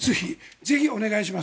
ぜひお願いします。